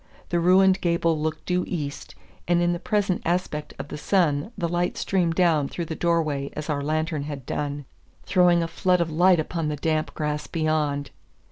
The ruined gable looked due east, and in the present aspect of the sun the light streamed down through the door way as our lantern had done, throwing a flood of light upon the damp grass beyond.